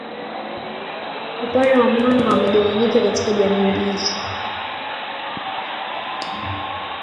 Wapare wa Mwanga wamegawanyika katika jamii mbili